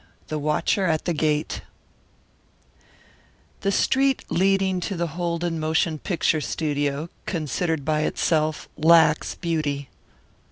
THE WATCHER AT THE GATE The street leading to the Holden motion picture studio, considered by itself, lacks beauty.